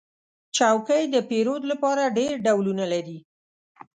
چوکۍ د پیرود لپاره ډېر ډولونه لري.